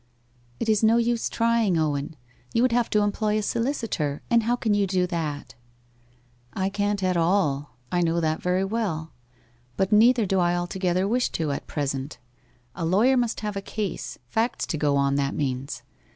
'It is no use trying, Owen. You would have to employ a solicitor, and how can you do that?' 'I can't at all I know that very well. But neither do I altogether wish to at present a lawyer must have a case facts to go upon, that means.